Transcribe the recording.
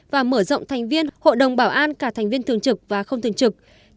và mở rộng thành viên hội đồng bảo an cả thành viên thường trực và không thường trực